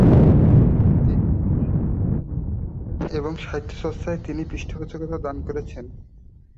তিনি নিজে সাহিত্যচর্চায় নিয়োজিত ছিলেন এবং সাহিত্যচর্চায় তিনি পৃষ্ঠপোষকতা দান করেছেন।